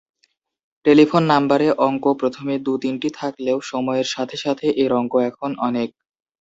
Telephone নাম্বারে অঙ্ক প্রথমে দু’তিনটি থাকলেও সময়ের সাথে সাথে এর অঙ্ক এখন অনেক।